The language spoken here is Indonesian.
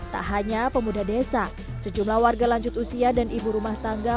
tak hanya pemuda desa sejumlah warga lanjut usia dan ibu rumah tangga